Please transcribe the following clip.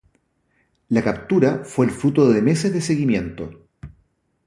La captura fue el fruto de meses de seguimiento.